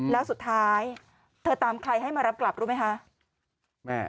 แล้วสุดท้ายเธอตามใครให้มารับกลับรู้ไหมคะ